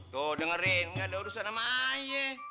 tuh dengerin gak ada urusan sama ayah